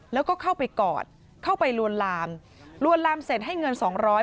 แล้วก็เข้าไปกอดเข้าไปลวนลามลวนลามเสร็จให้เงิน๒๐๐